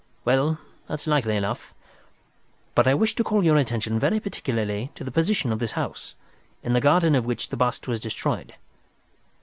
"Well, that's likely enough. But I wish to call your attention very particularly to the position of this house, in the garden of which the bust was destroyed."